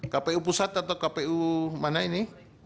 kpu pusat atau kpu mana ini